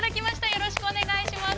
◆よろしくお願いします。